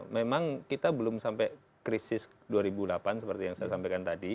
memang kita belum sampai krisis dua ribu delapan seperti yang saya sampaikan tadi